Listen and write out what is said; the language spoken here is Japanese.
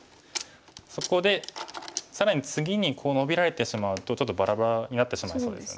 そこで更に次にこうノビられてしまうとちょっとバラバラになってしまいそうですよね。